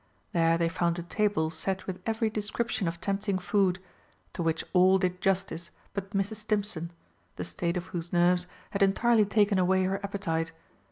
There they found a table set with every description of tempting food, to which all did justice but Mrs. Stimpson, the state of whose nerves had entirely taken away her appetite.